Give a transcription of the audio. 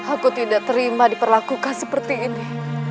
aku tidak terima diperlakukan seperti ini